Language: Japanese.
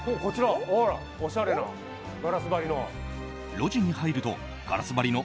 おしゃれな、ガラス張りの。